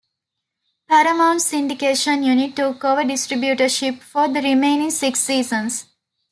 Paramount's syndication unit took over distributorship for the remaining six seasons.